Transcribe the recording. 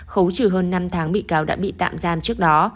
khấu trừ hơn năm tháng bị cáo đã bị tạm giam trước đó